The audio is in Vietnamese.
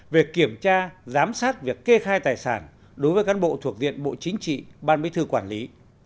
về kiểm tra giám sát việc kê khai tài sản đối với cán bộ thuộc diện bộ chính trị ban bí thư quản lý